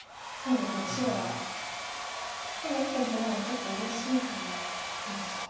白が今１本利いたのがちょっとうれしいということですか。